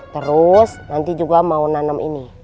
terus nanti juga mau nanam ini